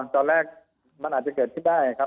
อ่อตอนแรกมันอาจจะเกิดติดได้นะครับ